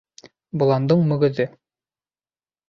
Боландың мөгөҙө